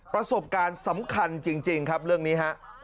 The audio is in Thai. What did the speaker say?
ประสบการณ์สำคัญจริงครับเรื่องนี้ฮะ